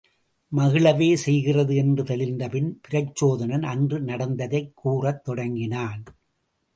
மகிழவே செய்கிறது என்று தெளிந்தபின் பிரச்சோதனன் அன்று நடந்ததைக் கூறத் தொடங்கினான்.